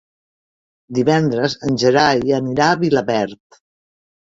Divendres en Gerai anirà a Vilaverd.